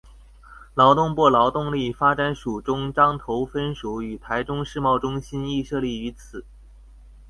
劳动部劳动力发展署中彰投分署与台中世贸中心亦设立于此。